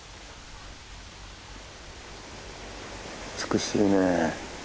美しいね。